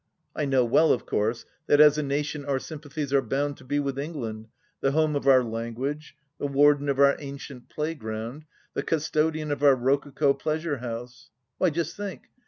I know well, of course, that as a nation our sympathies are bound to be with England, the home of our language, the warden of our ancient playground, the custodian of our rococo pleasure house. Why, just think